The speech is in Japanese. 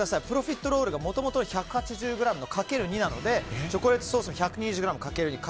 プロフィットロールがもともとの１８０ｇのかける２なのでチョコレートソース１２０ｇかける２。